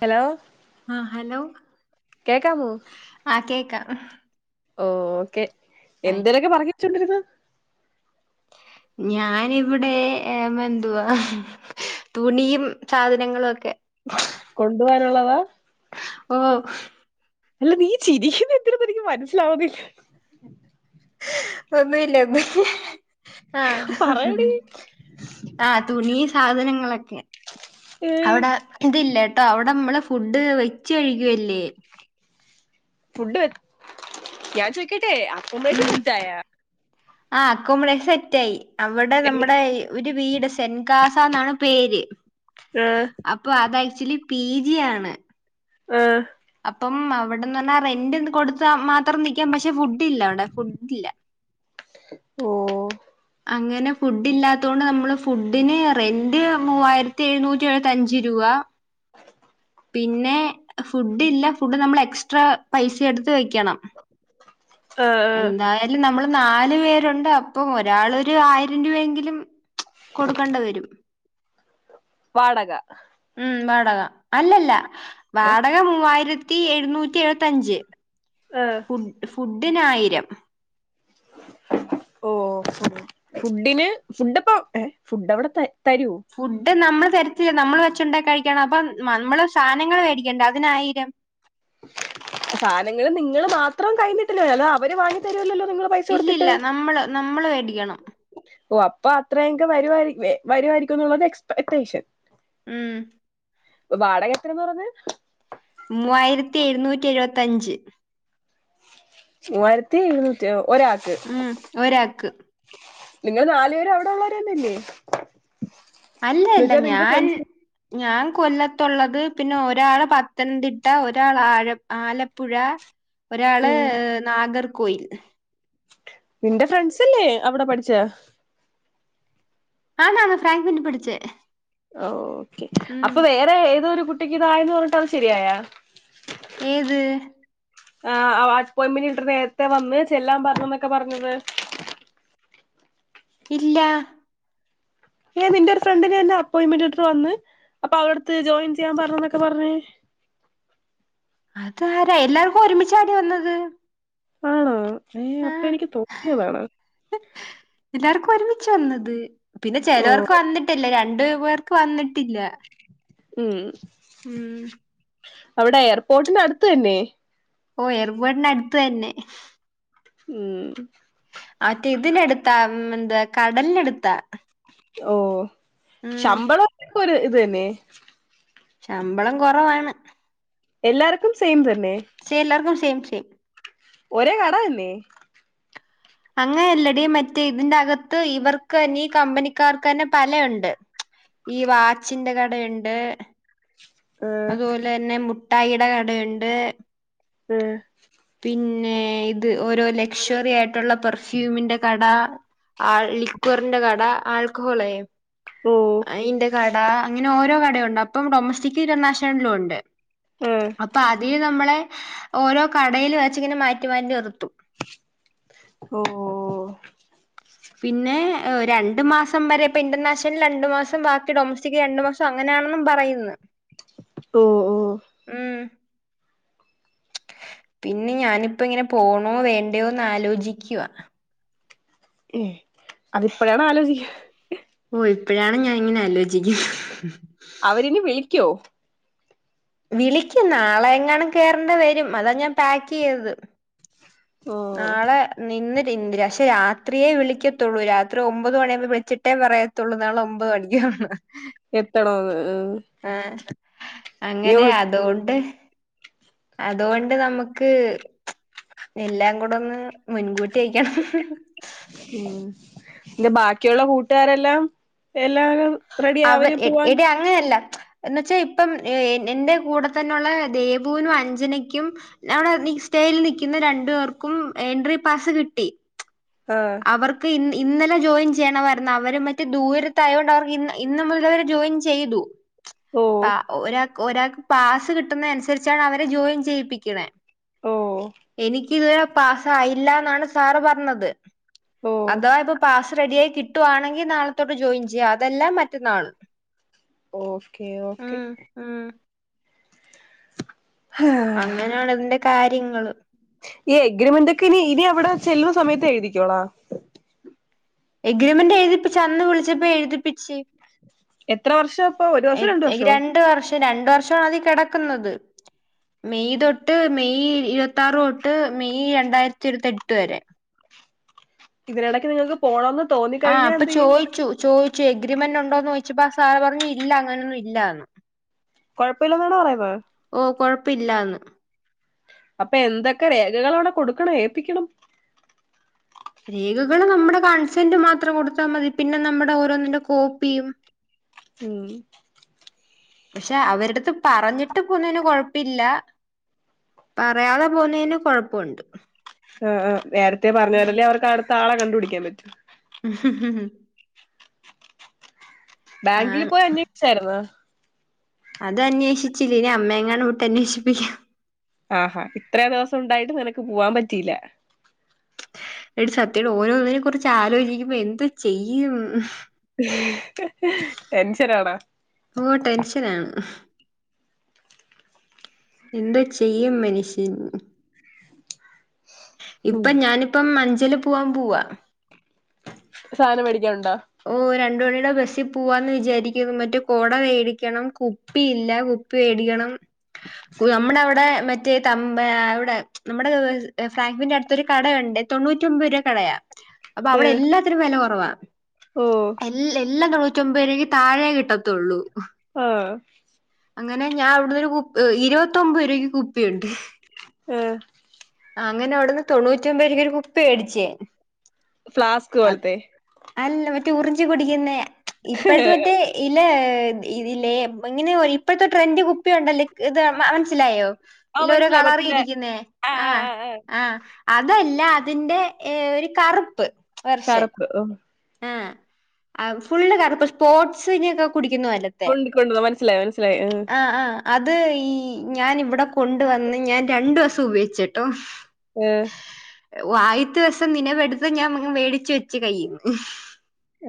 Hello ആ hello കേക്കാമോ ആ കേക്കാം [inaudible] ഓ ഓക്കെ എന്തേലും ആയിക്ക് ഒക്കെ പറഞ്ഞോ വെച്ചോണ്ടിരുന്നാ ഞാനിവിടെ മെ എന്തുവാ തുണിയും സാധനങ്ങളും ഒക്കെ കൊണ്ടു പോവാനുള്ളതാ ഓ അല്ല നീ ചിരിക്കുന്നതെന്തിനെന്നനിക്ക് മനസ്സിലാവുന്നില്ല അമ്മേല്ല അമ്മ [unintelligible] ആ പറയടി ആ തുണീസ് സാധനങ്ങളൊക്കെ അവിടെ ഇതില്ലേ ട്ടോ അവിടെ നമ്മളെ ഫുഡ് വെച്ചയ്ക്കല്ലേ ഫുഡ്‌ ഞാൻ ചോയ്ക്ക [unintelligible] അക്കോമേഷൻ ഉം സെറ്റായോ ആ അക്കോമഡേഷൻ സെറ്റായി അവടെ നമ്മടെ ഒരു വീട് സെൻകാസ എന്നാണ് പേര് ആഹ് അപ്പൊ അതായി ച്ചിലി പി ജി ആണ് ആ അപ്പം അവിടെന്ന് പറഞ്ഞാ റെന്റ് കൊടുത്ത മാത്രം നിക്കാം പക്ഷെ ഫുഡ്. ല്ല അവിടെ ഫുഡ്ല്ല ഓ അങ്ങനെ ഫുഡ് ഇല്ലാത്തോണ്ട് നമ്മളെ ഫുഡിന് റെന്റ് മൂവായിരത്തി എഴുന്നൂറ്റി എഴുപത്തഞ്ച് രൂപ [inaudible] പിന്നെ ഫുഡ് ഇല്ല ഫുഡ് നമ്മൾ എക്സ്ട്രാ പൈസ എട് ത്തു വെയ്ക്കണം. ആഹ് ആഹ് എന്തായാലും ഞമ്മള് നാല് പേരുണ്ട് അപ്പോ [unintelligible] ഒരാളൊരു ആയിരം രൂപയെങ്കിലും കൊടുക്കേണ്ട വെരും വാടക ഉം വാടക അല്ലല്ല ഏഹ് വാടക മൂവായിര ത്തി എഴുന്നൂറ്റി എഴുപത്തഞ്ച് ആഹ് ഫുഡ്‌ ഫുഡിനായി യം ഓ ഫുഡ് ഫുഡിന് ഫുഡപ്പ ഏ ഫുഡ് അവിടത്തെ ഫുഡ് നമ്മ തരത്തില്ല നമ്മള് വെച്ച്ചുണ്ട കഴിക്കണം അപ്പം നമ്മള് സാധനങ്ങൾ മേടിക്കേണ്ട അതിനായിരം സാധനങ്ങള് നിങ്ങള് മാത്രം കഴിഞ്ഞിട്ടില്ലോ അല്ല അവര് വാങ്ങി തരുല്ലല്ലോ ഇല്ലല്ലാ. നമ്മള് നമ്മളേ [unintelligible] ക്കണം ഓ അപ്പൊ അത്രയങ്ക വരുവായിരിക്കു വെ വരുവമായിരിക്കുന്നുള്ളത് എക്സ്പെക്ടേഷൻ ഉം ഇപ്പൊ വാടക എത്രന്ന് പറഞ്ഞത് മൂവായിരത്തി എഴുന്നൂറ്റി എഴുപത്തിഞ്ച് മൂവായിരത്തി എഴുന്നൂറ്റി ഒരാൾക്ക് ഉം ഒരാക്ക് നിങ്ങള് നാലു പേര് അവിടെ ഉള്ളവരന്നന്നെ അല്ല അല്ല ഞാൻ ഞാൻ കൊല്ലത്തുള്ളത് പിന്നെ ഒരാള് പത്തനംതിട്ട ഒരാൾ ആഴ ആലപ്പുഴ ഒരാള് ഉം നാഗർ കോയിൽ നിന്റെ ഫ്രണ്ട്സല്ലേ അവിടെ പഠിച്ച ആ് നാ ഫ്രൈ പണ്ടി പിടുിച്ചേ ഓ അപ്പൊ വേറെ ഏതൊരു കു കുട്ടക്ക് ഇതായന്ന് പറഞ്ഞിട്ട് അത് ശെരിയായ ഏത് ആ അയിമെന്റ് ഇ് നേരത്തെ വന്ന് ചെല്ലാൻ പറഞ്ഞ എന്നൊക്കെ പറഞ്ഞത് ഇല്ല ഏ നിന്റെ ഒരു ഫ്രണ്ടിിന എന്നെ അപ്പോയിന്റ്മെന്റ് ഇട്ടിട്ട് വന്ന് അപ്പൊ അവിടുത്ത് ജോയിൻ ചെയ്യാൻ പറഞ്ഞന്നൊക്കെ പറഞ്ഞേ അത ആരാ എല്ലാർക്കും ഒരുമിച്ചാടി വന്നത് ആണോ ഏ ആ അപ്പൊ എനിക്ക് തോന്നിയതാണ് ചെന്നത് പിന്നെ ഓ ചെലോർക്ക് വന്നിട്ടല്ലേ രണ്ട് ട് പേർക്ക് വന്നിട്ടില്ല ഉം ഉം അവിടെ എയർപോർട്ടിനട്ത്ത് തല്ലെ ഓ ഏർപോട്ടിന് അടുത്ത് തന്നെ ഉം മറ്റേ ഇതിന ടുത്താ എന്താ കടലിന ടുത്താ ഓ ശമ്പളം ഒര് ഇ തന്നെ ശമ്പളം കൊറവാണ് എല്ലാർക്കും സേം സ് ശെ എല്ലാർക്കും ശേം ശേം ഒരേ കട അല്ലെ അങ്ങന അല്ലടി മറ്റേ ഇതിന്റെ അകത്ത് ഇവർക്ക് തന്നെ ഈ കമ്പനിക്കാർക്ക ന്നെ പല ഇണ്ട് ഈ വാച്ചിന്റെ കടെ ഇണ്ട് ആഹ് അതുപോലെ ന്നെ മു ഠായിടെ കടെ ഇണ്ട് എഹ് പിന്നെ ഇ ത് ഓരോ ലക്ഷ്വറി ആയിട്ടുള്ള പെർ ഫ്യൂമിന്റെ കട ആ ലിക്വറ്ന്റെ കട ആൾക്കൊഹോളേ ഓ അയിൻ്റെ കട അങ്ങനെ ഓരോ കട ഉണ്ട് അപ്പം ഡൊമസ്റ്റിക് ഇന്റർനാഷണലിലും ഉണ്ട് ആഹ് അപ്പൊ ആദ്യേ നമ്മള് ഓരോ കടേല് വെച്ചിങ്ങനെ മാറ്റി മാറ്റി നിർത്തും ഓ എഹ് ഒര രണ്ട് മാസം വരെ ഇപ്പ ഇന്റർനാഷണൽ രണ്ടു മാസം ബാക്കി ഡൊമസ്റ്റിക് രണ്ടു മാസം അങ്ങനെയാണെന്നും പറയുന്ന് ഓ ഓ പിന്നെ ഞാനിപ്പങ്ങനെ പോണോ വേണ്ടയോന്നലോചിക്ക്വ ഉം അതിപ്പോഴാണോ ആലോചിക്ക ഓ ഇപ്പഴാണ് ഞാനിങ്ങനെ ആലോചി അവരിനി വിളിക്കോ വിളിക്കു നാളെ എങ്ങാണും കേറണ്ടെ വരും അതാ ഞാൻ പാകൈതത് ഓ നാളെ നിന്നി ഇന്ദ്ര ക്ഷെ രാത്രിയേ വിളിക്കത്തുള്ളൂ പിന്തിര ക്ഷെ രാത്രിയെ വിളിക്കത്തൊള്ളു രാത്രി ഒമ്പത് മണി ആവുമ്പോ വിളിച്ചിട്ടേ പറയത്തൊള്ളൂ നാളെ ഒമ്പത് മണിക്ക്യാന്ന് എത്തണോന്ന് എഹ് ആഹ് നീ ഒ അതോണ്ട് നമുക്ക് ച്ച് എല്ലാ ല്ലാം കൂടൊന്ന് മുൻകൂ ട്ടിക്കണം പിന്നെ ബാക്കിള്ള കൂട്ടുകാരെല്ലാം എല്ലാവരും അവർ എ എടി അങ്ങനെല്ല എന്ന് വച്ചാ ഇപ്പം എ എന്റെ കൂടെ തന്നെള്ള ദേവുനും അഞ്ജനയ്ക്കും നടെ നിസ്റ്റേൽ നിക്കുന്ന രണ്ടു പേർക്കും എൻട്രി പാസ് കിട്ടി പച് ആഹ് അവർക്ക് ഇ ഇന്നലെ ജോയിൻ ചെയ്യണമായിന്നു അവര് മറ്റെ ദൂരത്ത് ആയോണ്ട് അവർക്ക് ഇ ഇന്ന് മുല്ലവര് ജോയിൻ ചെയ്തു ച്ച് ഓ പാ ഒ ഒരാ ഒരാക്ക് പാസ് കിട്ടുന്നേ അനുസരിച്ചാണ് അവരെ ജോയിൻ ചെയ്യിപ്പിക്കണെ ഓ ക്ക് ഇതുവരെ പാസയില്ലന്നാണ് സാറ് പറഞ്ഞത് ഓ അതാ ഇപ്പൊ പാസ് റെഡി ആയി കിട്ടുവാണെങ്കി നാളത്തൊട്ട് ജോയിൻ ചെയ്യാം അതെല്ലാ മറ്റന്നാൾ ഓക്കെ ഓക്കെ ഉം ആ അങ്ങനെയാണ് ഇതിന്റെ കാര്യങ്ങള് ഈ എഗ്രിമെന്റൊക്കെ ഇനി ഇനി എവിടെ ചെല്ലുന്ന സമയത്ത് എഴുതിക്കോളാം എഗ്രിമെന്റ് എഴുതിപ്പിച്ച് അന്ന് വിളിച്ചപ്പോ എഴുതിപ്പിച്ച് എത്ര വർഷാ ഇപ്പോ ഒരു വർഷോ രണ്ടു വർഷോ പക്ഷെ രണ്ട് വർഷമാണ് അതിൽ കെടക്കുന്നത്. മെയ് തൊട്ട് മെയ് ഇരുപത്തിയാറ് തൊട്ട് മെയ് രണ്ടായിരത്തി ഇരുപത്തി എട്ട് വരെ ഇതിനിടയ്ക്ക് നിങ്ങൾക്ക് പോണോന്ന് ആ അപ്പൊ ചോയിച്ചു ചോയി ച്ച് എഗ്രിമെന്റ് ഉണ്ടോന്ന് ചോദിച്ചപ്പോ ആ സാറ് പറഞ്ഞ് ഇല്ല അങ്ങനൊന്നും ഇല്ലാന്ന് കൊഴപ്പമില്ലന്നാണോ പറയുന്നത് യില്ലാന്ന് അപ്പൊ എന്തൊക്കെ രേഖകൾ അവിടെ കൊടുക്കണം ഏപ്പിക്കണം രേഖകള് നമ്മുടെ കൺസെന്റ് മാത്രം കൊടുത്താൽ മതി പിന്നെ നമ്മുടെ ഓരോന്നിന്റെ കോപ്പിയും ഉം പക്ഷെ അവരടുത്ത് പറഞ്ഞിട്ട് പോന്നതിന് കൊഴപ്പില്ല പറയാതെ പോന്നതിന് കൊഴപ്പവുണ്ട് ആ ആ നേരത്തെ പറഞ്ഞാലല്ലേ അവർക്ക് അടു ത്താളെ കണ്ടു പിടിക്കാൻ പറ്റു ഉ ബാങ്കില് ആണ് പോയി അന്വേഷിച്ചായിരുന്നോ അത് അന്വേഷിച്ചില്ല ഇനി അമ്മേങ്ങാനും വിട്ട് അന്വേഷിപ്പിക്കാം ആഹാ ഇത്രേ ദിവസം ഉണ്ടായിട്ടും നിനക്ക് പോവാൻ പറ്റിയില്ല എടി സത്യവാ ഓരോ ഇതിനെ കുറിച്ച് ആലോചിക്കുമ്പോ എന്തു ചെയ്യും ടെൻഷനാണോ ഓ ടെൻഷനാണ് എന്ത് ചെയ്യും മനുഷ്യൻ ഉം ഇപ്പം ഞാനിപ്പം മ ല് പൂവാൻ പോവാ സാധനം വേടി ഓ രണ്ട് മണി ടെ ബസ്സിൽ പോവാന്ന് വിചാരിക്കുന്നു മറ്റേ കൊട വേടിക്കണം കുപ്പിയില്ല കുപ്പി വേടിക്കണം യ് നമ്മുടെ അവിടെ മറ്റ മറ്റേ ത അവിടെ നമ്മുടെ ഫ്രാങ്ക്ഫിന്റെ അടുത്തൊരു കട ഉണ്ട് തൊണ്ണൂറ്റി ഒമ്പത് രൂപാ കടയാ അപ്പൊ ഏ അവിടെ എല്ലാത്തിനും വെല കുറവാ ഓ എൽ എൽ എല്ലാം തൊണ്ണൂറ്റൊമ്പത് രൂപക്ക് താഴെ കിട്ടത്തൊള്ളൂ ആ അങ്ങനെ ഞാൻ അവിടുന്നൊരു കുപ്പി ഇരുപത്തൊമ്പത് രൂപയ്ക്ക് കുപ്പിയുണ്ട് ആ അങ്ങനെ അവിടുന്ന് തൊണ്ണൂറ്റിയൊൻമ്പത് രൂപക്ക് ഒരു കുപ്പി വേടിച്ച് ഞാൻ ഫ്ലാസ്ക് പോലത്തെ ഞ്ചി കുടിക്കുന്നയാ ഇപ്പഴത്തെ മറ്റേ ഇലേത് ഇതില്ലേ ഇങ്ങനെ ഇപ്പഴത്തെ ട്രെന്റ് കുപ്പിയുണ്ടല്ലേ ഇക് ഇത് മ മനസ്സിലായോ ആ ഇല്ല ഓരോ മനസ്സിലായി കളറി മറ്റില്ലേ ഇരിക്കുന്നേ ആ ആ ആഹ ആ ആ ആഹ അതുവല്ല അതിന്റെ ഏ ഒരു കറുപ്പ് തരക്ക് ഓ ആ ആ ഫുള്ള് കറപ്പ് സ്പോർട്സിനൊക്കെ കുടിക്കുന്ന പോലത്തെ മൊണ്ടികൊണ്ട് വന്ന് മനസ്സിലായി മനസ്സിലായി ആ ആഹ് ആഹ് അത് ഈ ഞാൻ ഇവിടെ കൊണ്ട്‌ വന്ന് ഞാൻ രണ്ടു ദിവസം ഉപയോഗിച്ചിട്ടോ ഉം ഓ ആയിത്തെ ദിവസം നിനവെടുത്ത് ഞാൻ ങ്ങ് വേടിച്ച് വെച്ച് കൈൽ മുഫ്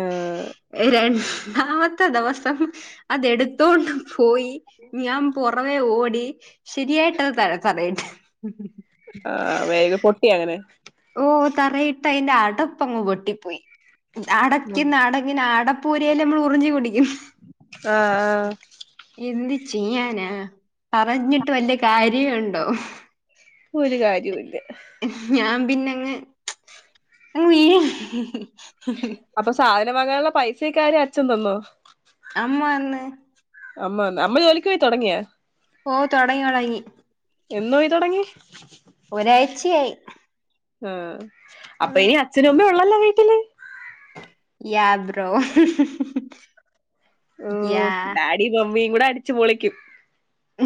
ഏഹ് രണ്ടാമ ത്ത ദിവസം അത് എടുത്തോണ്ട് പോയി ഞാൻ പുറവേ ഓടി ശരിയായിട്ടത് തല തറയിട്ട് ആഹ വേഗം പൊട്ടി അങ്ങനെ ഓ തറയിട്ട് അതിന്റെ അടപ്പങ്ങ് പൊട്ടിപ്പോയി അടയ്ക്കുന്ന അടങ്ങിന് അട പൂര്യൽ നമ്മൾ ഉറിഞ്ചി കുടി ആഹ എന്ത് ആഹ ചെയ്യാനാ പറഞ്ഞിട്ട് വലിയ കാര്യയുണ്ടോ ഒരു കാര്യവില്ല പിന്നങ് അങ്ങ് [unintelligible] അപ്പൊ സാരി വാങ്ങാനുള്ള പൈസയൊക്കെ ആര് അച്ഛൻ തന്നോ അമ്മ തന്ന് അമ്മ അമ്മ ജോലിക്ക് പോയി തൊടങ്ങിയാ ഓ തൊടങ്ങി തൊടങ്ങി എന്ന് പോയി തുടങ്ങി ഒരാഴ്ചയായി ആഹ അപ്പൊ ഉം ഇനി അച്ഛനും അമ്മേം ഉള്ളല്ലോ വീട്ടില് യാ ബ്രോ ഓ യാ ഡാഡി മമ്മി കൂടെ അടിച്ചു പൊളിക്കും ഉ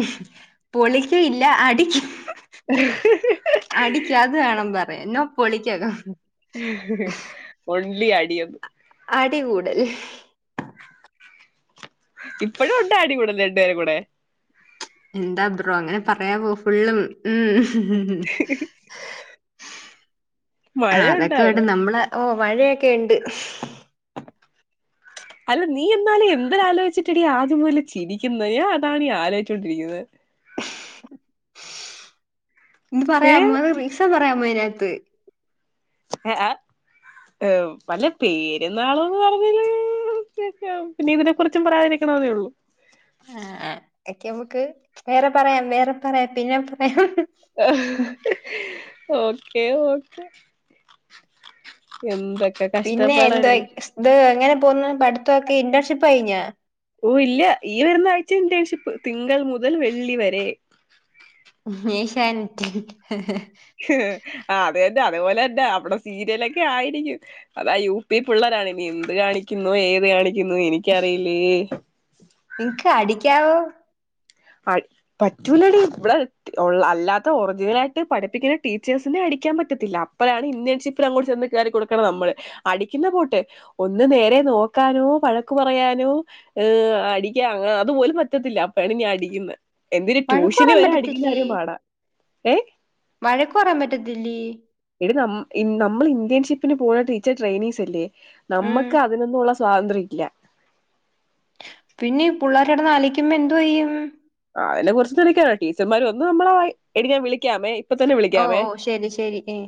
പൊളിക്കയില്ല അടിക്കും അടിക്ക അത് വേണം പറയാൻ എന്നോ പൊളിക്കണം ഹിഹി ഒൺലി അടിയന്ന അടി കൂടുൽ ഇപ്പഴും ഉണ്ട് അടി കൂടെല്ല രണ്ടുപേരും കൂടെ എന്താ ബ്രോ അങ്ങനെ പറയാവോ ഫുള്ളും ഉം മഴയുണ്ടോ അതൊക്കെ വേണ്ട അവിടെ നമ്മള് ഓ മഴയൊക്കെ ഉണ്ട് അല്ല നീ എന്നാലേ എന്തല ആലോചിച്ചിട്ടിട ആതുപോലെ ചിരിക്കുന്ന അതാണ് ആലോചിച്ചോണ്ടിരിക്കുന്നത് ഇത് പറയാം ഏഹ് മോന് റീസൺ പറയാമോ അതിനകത്തു ഏ വല്ല പേര് നാളും പറഞ്ഞല് പിന്നെ ഇതിനെ കുുറിച്ചും പറയാതിരിക്കണെന്നേ ഉള്ളൂ [inaudible] ആ, ഒക്കെ നമുക്ക് വേറെ പറയാം വേറെ പറയാം പിന്നെ പറയാം ആ ഓക്കെ ഓ എന്തൊക്ക പിന്നെ എന്തോ ഇത് എങ്ങനെ പോന്നെ ഓ ഇല്ല ഈ വരുന്ന ആഴ്ച ഇന്റേൺഷിപ്പ് തിങ്കൾ മുതൽ വെള്ളി വരെ ശാാനിക്ക [unintelligible] ആ [unintelligible] അതെതെ അതേപോലെന്നെ അവിടെ സീരിയലൊക്കെ ആയിരിക്കും അതാ യു പി പിള്ളേരാണ് ഇനി എന്ത് കാണിക്കുന്നു ഏത് കാണിക്കുന്നു എനിക്കറിയില്ലേ നിനക്ക് അടിക്കാവോ പറ്റൂലട ഇവിടെ അല്ലാത്ത ഒറിജിനല ആായിട്ട് പഠിപ്പിക്കുന്ന ടീച്ചേഴ്സിനെ അടിക്കാൻ പറ്റത്തില്ല അപ്പഴാണ് ഇന്ത്യേൺഷിപ്പിൽ അങ്ങോട്ട ചെന്ന് കയറി കൊൊടുക്കണം നമ്മള് അടിക്കുന്ന പോട്ടെ ഒന്ന് നേരെ നോക്കാനോ വഴക്കു പറയാനോ ് അടിക്കൻ അത്പോലും പറ്റത്തില്ല അപ്പോഴാണ് ഞാൻ അട ഇ എന്രു വഴക്ക് ട്യൂഷനി പറയാൻ വരെ അടിക്കുന്ന പറ്റത്തില്ലേ കാര്യം പാടാ ഏ വഴക്ക് പറയാൻ പറ്റത്തില്ലേ ഇടെ ന നമ്മൾ ഇന്ത്യൻഷിപ്പ പിന്നെ പോ ടച്ചർടെയിനിങ്സ്ല്ലേ ഉം നമ്മുക്ക് അതിനൊന്നുള്ള സ്വാതന്ത്ര്യില്ല പിന്നെ ഈ പിള്ളേർടന്ന് ആ എന്തു വ്യും അതിനെ കുറിച്ച് തളിക്കാനോ ടീച്ചർമാർ ഒന്ന് നമ്മള എങ്ങാ വിളിക്കാമേ ഇപ്പൊ തന്നെ ഓ വിളിക്കമേ ഓ ശരി ശരി ഏ